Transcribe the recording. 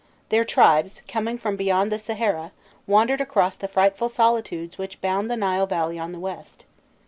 Their tribes, coming from beyond the Sahara, wandered across the frightful solitudes which bound the Nile Valley on the west.